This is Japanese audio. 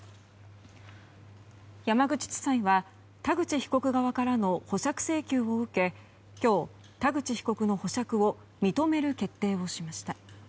山口地裁は田口被告側からの保釈請求を受け今日、田口被告の保釈を認める決定をしました。